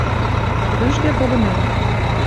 Рӱжге погынен.